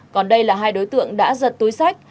còn đây là hai đối tượng đã giật túi sách